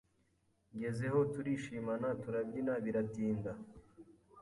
ngezeho turishimana turabyina biratinda